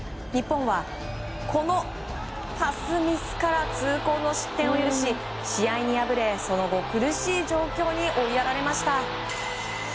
日本はこのパスミスから痛恨の失点を許し試合に敗れ、その後苦しい状況に追いやられました。